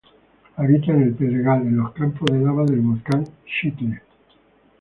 Habita en El Pedregal en los campos de lava del volcán Xitle.